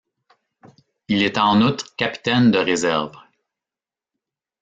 Il est en outre capitaine de réserve.